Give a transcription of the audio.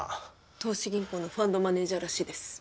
投資銀行のファンドマネジャーらしいです。